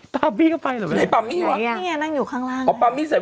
พาเป้มีเข้าไปเหรอ